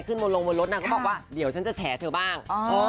ลงบนรถนางก็บอกว่าเดี๋ยวฉันจะแฉเธอบ้าง